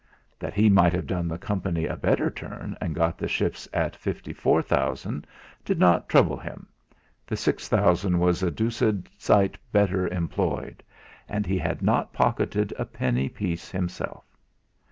That he might have done the Company a better turn, and got the ships at fifty four thousand, did not trouble him the six thousand was a deuced sight better employed; and he had not pocketed a penny piece himself!